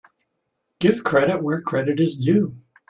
Give credit where credit is due.